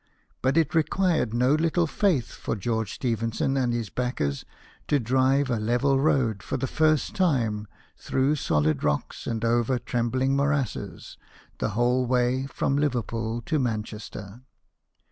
But it required no little faith for George Stephenson and his backers to drive a level road, for the first time, through solid rocks and over trembling morasses, the whole way GEORGE STEPHENSON, ENGINE MAN. 55 from Liverpool to Manchester.